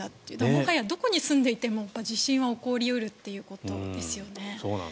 もはやどこに住んでいても地震は起こり得るということですよね。